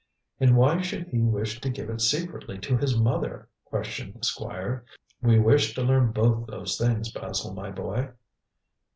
"And why should he wish to give it secretly to his mother?" questioned the Squire. "We wish to learn both those things, Basil, my boy."